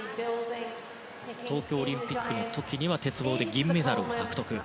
東京オリンピックでは鉄棒で銀メダルを獲得。